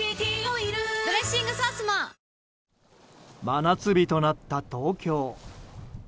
真夏日となった東京。